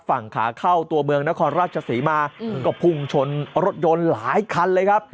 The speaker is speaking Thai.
ฝั่งขาเข้าตัวเมืองนครราชศรีมาก็พุ่งชนรถยนต์หลายคันเลยครับ